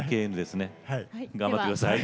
頑張って下さい。